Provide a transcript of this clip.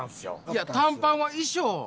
いや短パンは衣装。